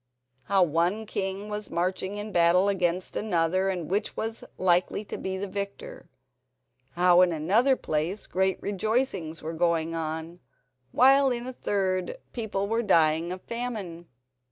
How one king was marching in battle against another, and which was likely to be the victor. How, in another place, great rejoicings were going on, while in a third people were dying of famine.